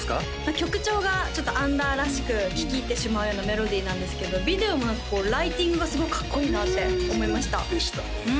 曲調がちょっとアンダーらしく聞き入ってしまうようなメロディーなんですけどビデオも何かこうライティングがすごいかっこいいなって思いましたでしたね